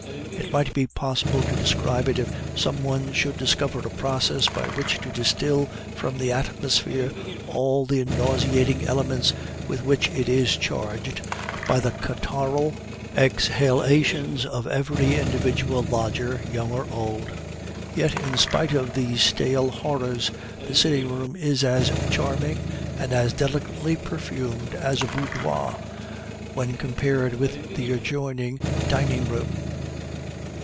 It might be possible to describe it if some one should discover a process by which to distil from the atmosphere all the nauseating elements with which it is charged by the catarrhal exhalations of every individual lodger, young or old. Yet, in spite of these stale horrors, the sitting room is as charming and as delicately perfumed as a boudoir, when compared with the adjoining dining room.